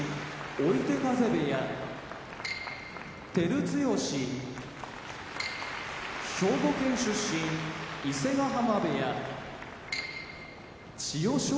追手風部屋照強兵庫県出身伊勢ヶ濱部屋千代翔